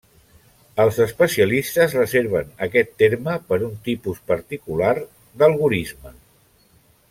Els especialistes reserven aquest terme per un tipus particular d'algorisme.